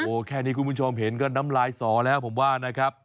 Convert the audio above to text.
โอ้โหแค่นี้คุณผู้ชมเห็นก็น้ำลายสอแล้วผมว่านะครับ